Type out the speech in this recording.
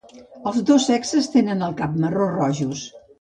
Els dos sexes tenen el cap marró rojos.